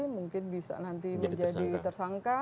mungkin bisa nanti menjadi tersangka